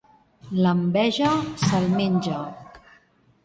L'enveja se'l menja.